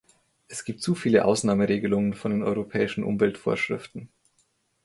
Es gibt zu viele Ausnahmeregelungen von den europäischen Umweltvorschriften.